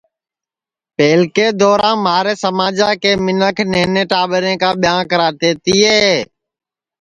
پہلکے دورام مھارے سماجا کے منکھ نہنے ٹاٻریں کا ٻیاں کرتے تیے